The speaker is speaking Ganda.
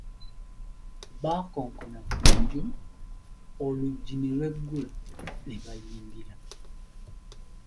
Baakoonkona ku nju, oluggi n'elweggula, ne bayingira.